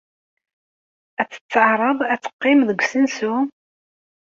Ad tetteɛraḍ ad teqqim deg usensu?